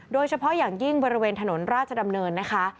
โดยเฉพาะอย่างยิ่งบริเวณถนนราชดำเนินนะคะ